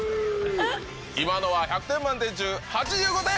今のは１００点満点中８５点！